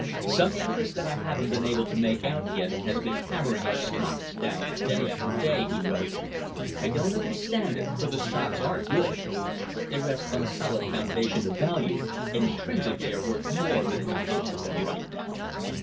"Some interest that I haven't been able to make out yet has been hammering our stocks down day after day," he wrote. "I don't understand it, for the stocks are good they rest on a solid foundation of value and intrinsically are worth more than is bid for them right now.